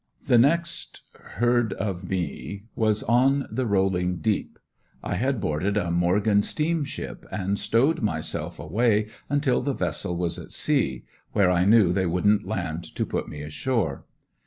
The next heard of me was on the "rolling deep." I had boarded a Morgan steamship and stowed myself away until the vessel was at sea, where I knew they wouldn't land to put me ashore.